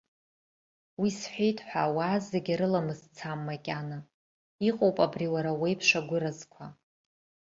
Ус сҳәеит ҳәа ауаа зегьы рыламыс цам макьана, иҟоуп абри уара уеиԥш агәыразқәа.